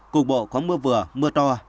cục bộ có mưa vừa mưa to